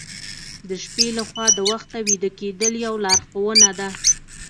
د شپې له خوا د وخته ویده کیدل یو لارښوونه ده.